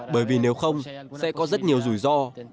bởi vì nếu không sẽ có rất nhiều rủi ro